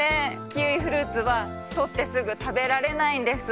キウイフルーツはとってすぐたべられないんです。